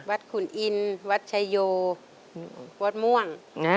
ขุนอินวัดชายโยวัดม่วง